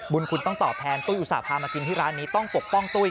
บุญคุณต้องตอบแทนตุ้ยอุตส่าหมามากินที่ร้านนี้ต้องปกป้องตุ้ย